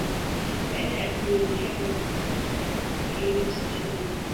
Aina ya pili ni mafuta yanapatikana katika kiini cha tunda.